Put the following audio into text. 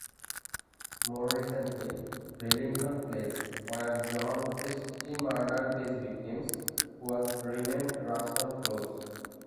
More recently, Rillington Place, where John Christie murdered his victims, was renamed Ruston Close.